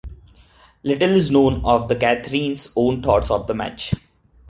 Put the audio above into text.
Little is known of Catherine's own thoughts on the match.